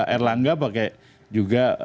erlangga pakai juga